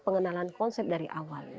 pengenalan konsep dari awal